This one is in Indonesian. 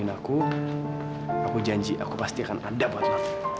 aku janji aku pasti akan ada buat lo